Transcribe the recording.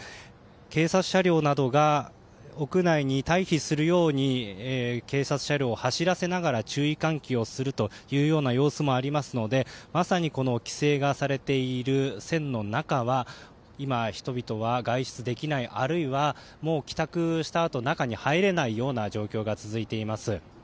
警察車両などが屋内に退避するように警察車両を走らせながら注意喚起をする様子もありますのでまさに、この規制がされている線の中は今、人々は外出できないあるいはもう帰宅したあと中に入れない状況が続いています。